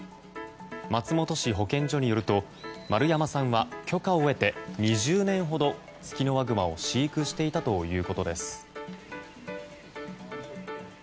松本市保健所によると丸山さんは許可を得て２０年ほどツキノワグマを飼育していたということです。